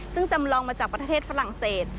ซึ่งจำลองมาจากประเทศฝรั่งเศส